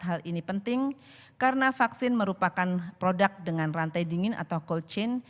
hal ini penting karena vaksin merupakan produk dengan rantai dingin atau cold chain